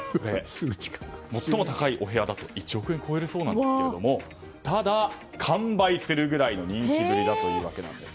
最も高いお部屋だと１億円を超えるそうなんですがただ、完売するぐらいの人気ぶりだというわけなんです。